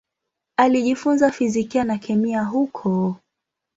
Alijifunza fizikia na kemia huko.